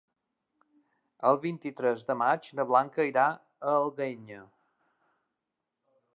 El vint-i-tres de maig na Blanca irà a l'Alguenya.